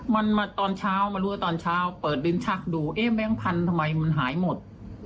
มันมาตอนเช้ามารู้ว่าตอนเช้าเปิดลิ้นชักดูเอ๊ะแบงค์พันธุ์ทำไมมันหายหมด